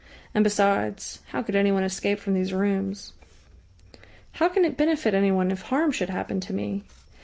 And besides, how could anyone escape from these rooms? "How can it benefit anyone if harm should happen to me?"